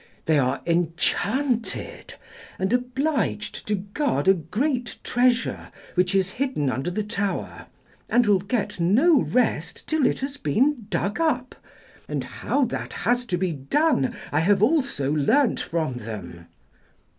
They are enchanted, and obliged to guard a great treasure which is hidden under the tower, and will get no rest till it has been dug up; and how that has to be done I have also learnt from them.'